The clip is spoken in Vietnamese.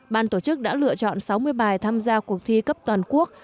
ban tổ chức đã lựa chọn sáu mươi bài tham gia cuộc thi cấp toàn quốc